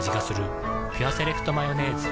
「ピュアセレクトマヨネーズ」